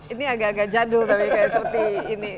ini agak agak jadul tapi kayak seperti ini